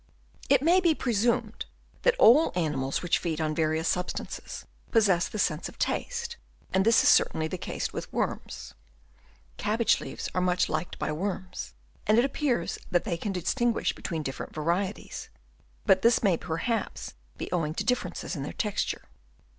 It may be presumed that all animals which feed on various substances possess the sense of taste, and this is certainly the case with worms. Cabbage leaves are much liked by Chap. I. THEIK SENSES. 33 worms ; and it appears that they can dis tinguish between different varieties ; but this may perhaps be owing to differences in their texture.